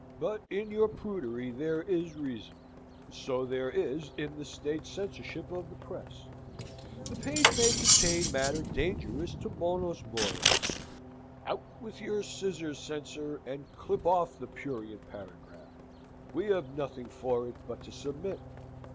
But in your prudery there is reason. So there is in the state censorship of the Press. The page may contain matter dangerous to bonos mores. Out with your scissors, censor, and clip off the prurient paragraph! We have nothing for it but to submit.